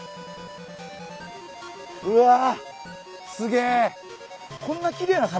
うわすげえ！